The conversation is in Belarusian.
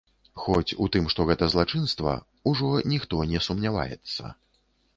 Хоць у тым, што гэта злачынства, ужо ніхто не сумняваецца.